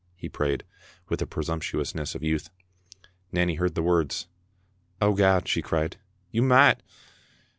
he prayed, with the presumptuousness of youth. Nanny heard the words. " Oh, God, " she cried, " you micht